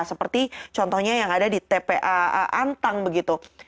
seperti contohnya yang ada di tpa antang begitu